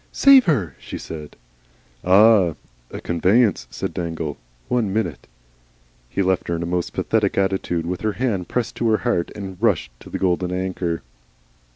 "SAVE HER!" she said. "Ah! A conveyance," said Dangle. "One minute." He left her in a most pathetic attitude, with her hand pressed to her heart, and rushed into the Golden Anchor.